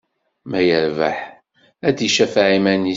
Ma yerbeḥ, ad d-icafeɛ iman-is.